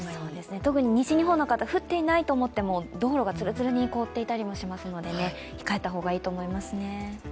特に西日本の方降っていないと思っていても道路がつるつるに凍っていたりするので控えた方がいいと思いますね。